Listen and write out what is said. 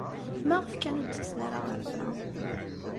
Maɣef kan ur d-ttasen ara ɣer da?